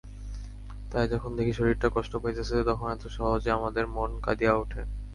তাই যখন দেখি শরীরটা কষ্ট পাইতেছে তখন এত সহজে আমাদের মন কাঁদিয়া উঠে।